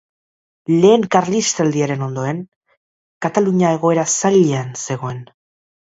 Lehen Karlistaldiaren ondoren, Katalunia egoera zailean zegoen.